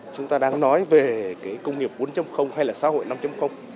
chúng ta đang nói về cái công nghiệp bốn hay là xã hội năm